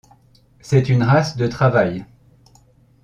C'est une race de travail.